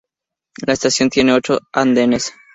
La estación tiene ocho andenes.